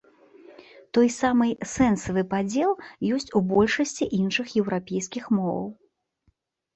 Той самы сэнсавы падзел ёсць у большасці іншых еўрапейскіх моваў.